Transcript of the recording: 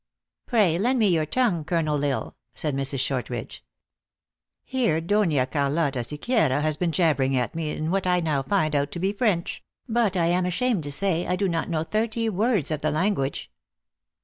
" Pray, lend me your tongue, Colonel L Isle," said Mrs. Shortridge. " Here Dona Carlotta Sequiera has been jabbering at me in what I now find out to be French ; but I am ashamed to say, I do not know thirty words of the language."